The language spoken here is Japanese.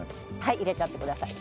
入れちゃってください。